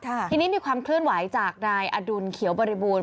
ทีนี้มีความเคลื่อนไหวจากนายอดุลเขียวบริบูรณ